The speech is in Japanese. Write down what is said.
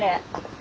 え？